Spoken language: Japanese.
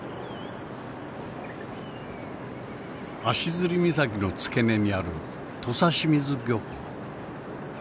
足摺岬の付け根にある土佐清水漁港。